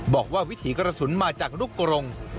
บอกว่าวิถีกระสุนมาจากลุกกรง